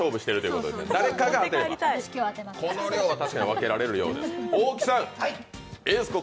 この量は確かに分けられる量です。